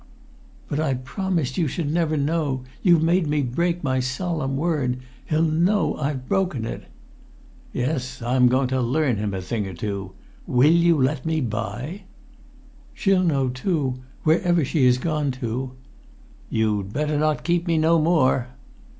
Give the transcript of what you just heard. "But I promised you should never know! You've made me break my solemn word! He'll know I've broken it!" [Pg 17]"Yes, I'm going to learn him a thing or two. Will you let me by?" "She'll know—too—wherever she has gone to!" "You'd better not keep me no more."